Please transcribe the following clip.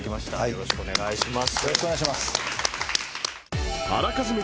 よろしくお願いします。